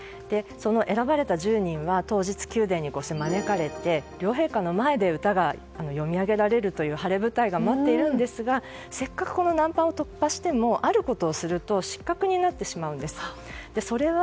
その選ばれた１０人は当日、宮殿御所に招かれて、両陛下の前で歌が詠み上げられるという晴れ舞台が待っているんですがせっかく、この難関を突破してもあることをすると失格になってしまうんです。